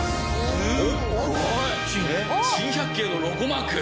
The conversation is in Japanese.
すごい！『珍百景』のロゴマーク！